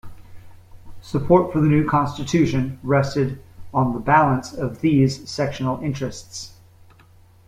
Support for the new Constitution rested on the balance of these sectional interests.